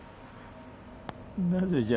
なぜじゃ？